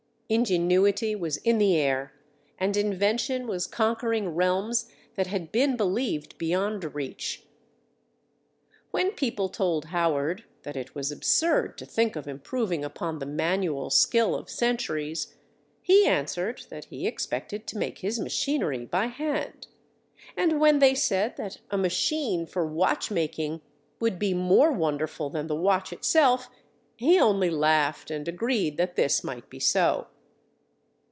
Ingenuity was in the air and invention was conquering realms that had been believed beyond reach. When people told Howard that it was absurd to think of improving upon the manual skill of centuries, he answered that he expected to make his machinery by hand. And when they said that a machine for watch making would be more wonderful than the watch itself, he only laughed and agreed that this might be so.